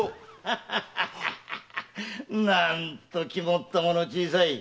なんと肝っ玉の小さい。